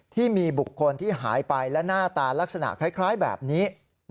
ที่มีบุคคลที่หายไปและหน้าตาลักษณะคล้ายแบบนี้